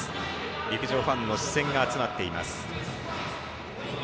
陸上ファンの視線が集まっています。